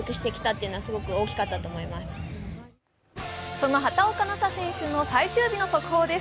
その畑岡奈紗選手の最終日の速報です。